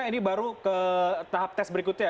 ini baru ke tahap tes berikutnya